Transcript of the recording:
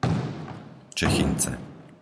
Čechynce